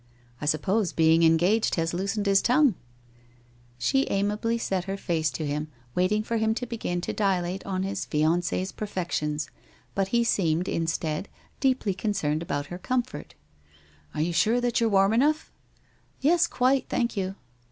I suppose being engaged has loosened his tongue ?" She amiably set her face to him, waiting for him to begin to dilate on his fiancee's perfections, but he seemed, instead, deeply concerned about her comfort. * Are you sure that you are warm enough ?'' Yes, quite, thank you.'